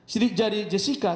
sidik jari jessica